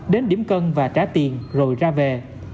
đến điểm cân và trả tiền rồi ra về